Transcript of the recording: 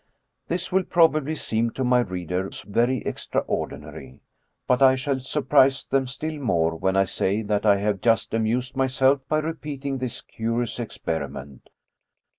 This will probably seem to my readers very extraordi nary ; but I shall surprise them still more, when I say that I have just amused myself by repeating this curious experi ment.